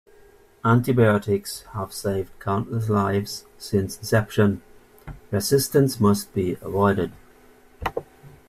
Anti-biotics have saved countless lives since inception, resistance must be avoided.